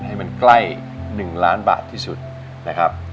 ให้มันใกล้๑ล้านบาทที่สุดนะครับ